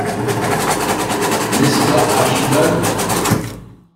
N’est-ce pas, Archibald ?